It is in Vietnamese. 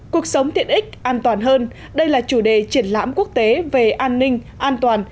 cuộc sống tiện ích an toàn hơn đây là chủ đề triển lãm quốc tế về an ninh an toàn